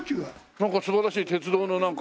なんか素晴らしい鉄道のなんか。